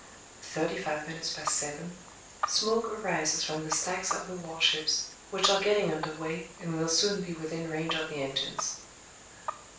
Thirty five minutes past seven: Smoke arises from the stacks of the warships, which are getting under way and will soon be within range of the engines.